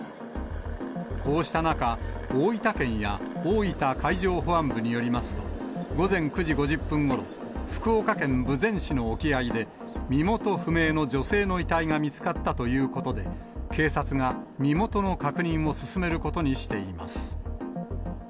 こうした中、大分県や大分海上保安部によりますと、午前９時５０分ごろ、福岡県豊前市の沖合で、身元不明の女性の遺体が見つかったということで、警察が身元の確認を進めることにしています。